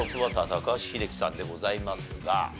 高橋英樹さんでございますが。